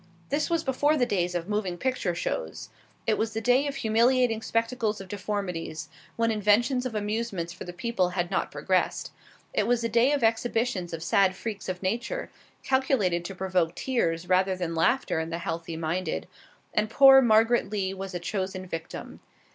This was before the days of moving picture shows; it was the day of humiliating spectacles of deformities, when inventions of amusements for the people had not progressed. It was the day of exhibitions of sad freaks of nature, calculated to provoke tears rather than laughter in the healthy minded, and poor Margaret Lee was a chosen victim.